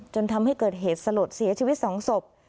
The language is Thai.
จนทำให้เกิดเหตุสลดเสียชีวิต๒ศพ